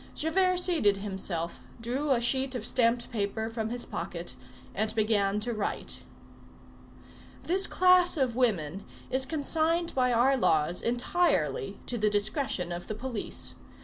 Javert seated himself, drew a sheet of stamped paper from his pocket, and began to write. This class of women is consigned by our laws entirely to the discretion of the police.